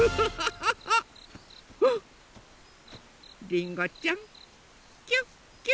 りんごちゃんキュッキュッ。